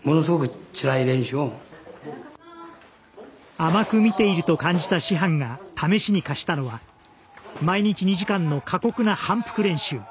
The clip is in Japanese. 甘く見ていると感じた師範が試しに課したのは毎日２時間の過酷な反復練習。